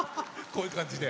こういう感じで。